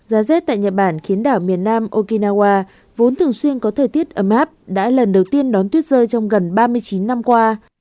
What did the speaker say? giá rét tại nhật bản khiến đảo miền nam okinawa vốn thường xuyên có thời tiết ấm áp đã lần đầu tiên đón tuyết rơi trong gần ba mươi chín năm qua